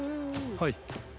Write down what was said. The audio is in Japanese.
はい。